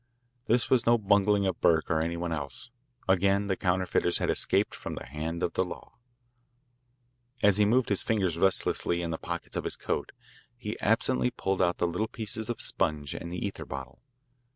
This was no bungling of Burke or any one else. Again the counterfeiters had escaped from the hand of the law. As he moved his fingers restlessly in the pockets of his coat, he absently pulled out the little pieces of sponge and the ether bottle.